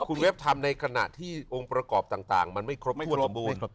คุณเว็บทำในขณะที่องค์ประกอบต่างมันไม่ครบถ้วนสมบูรณ์